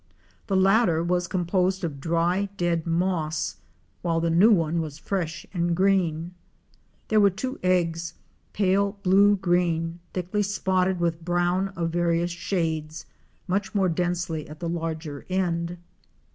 The latter was composed of dry dead moss, while the new one was fresh and green. There were two eggs, pale blue green, thickly spotted with brown of various shades, much more densely at the larger end.